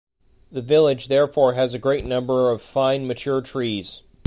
The village therefore has a great number of fine mature trees.